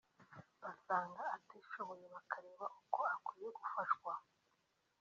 basanga atishoboye bakareba uko akwiye gufashwa